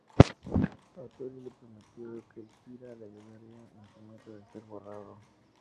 Hattori le prometió que el Kira le ayudaría en su meta de ser borrado.